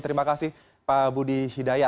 terima kasih pak budi hidayat